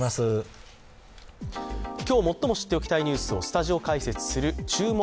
今日、最も知っておきたいニュースをスタジオ解説する「注目！